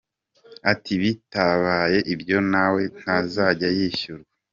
Ati “Bitabaye ibyo nawe ntazajya yishyurwa.